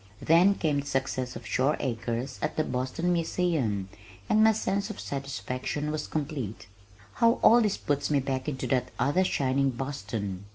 Then came the success of Shore Acres at the Boston Museum and my sense of satisfaction was complete. How all this puts me back into that other shining Boston!